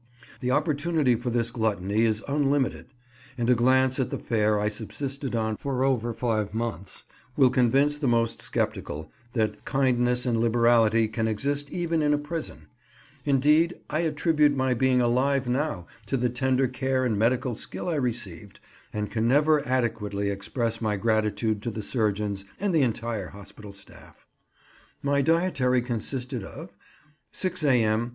The opportunity for this gluttony is unlimited, and a glance at the fare I subsisted on for over five months will convince the most sceptical that kindness and liberality can exist even in a prison; indeed, I attribute my being alive now to the tender care and medical skill I received, and can never adequately express my gratitude to the surgeons and the entire hospital staff. My dietary consisted of— 6 A.M.